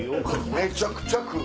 めちゃくちゃ食う！